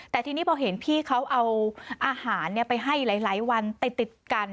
แต่ทีนี้พอเห็นพี่เขาเอาอาหารไปให้หลายวันติดกัน